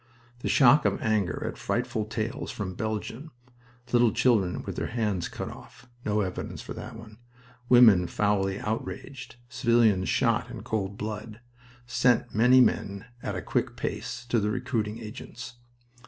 The shock of anger at frightful tales from Belgium little children with their hands cut off (no evidence for that one); women foully outraged; civilians shot in cold blood sent many men at a quick pace to the recruiting agents.